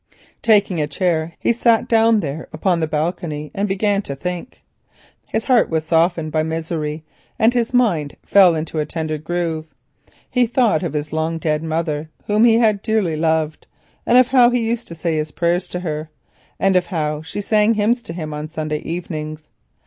Taking a chair he sat down there upon the balcony and began to think. His heart was softened by misery and his mind fell into a tender groove. He thought of his long dead mother, whom he had dearly loved, and of how he used to say his prayers to her, and of how she sang hymns to him on Sunday evenings.